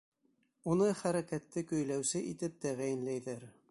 Уны хәрәкәтте көйләүсе итеп тәғәйенләйҙәр.